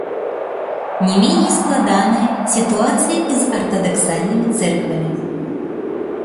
Не меней складана сітуацыя і з артадаксальнымі цэрквамі.